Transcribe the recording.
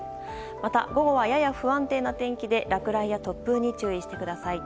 また、午後はやや不安定な天気で落雷や突風に注意してください。